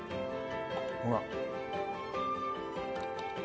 ほら。